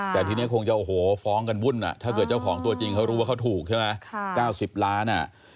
แต่ทีนี้คงจะโอ้โหฟ้องกันวุ่นถ้าเกิดเจ้าของตัวจริงเขารู้ว่าเขาถูกใช่ไหม๙๐ล้าน